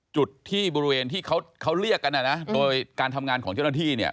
จุดที่บริเวณที่เขาเรียกกันนะนะโดยการทำงานของเจ้าหน้าที่เนี่ย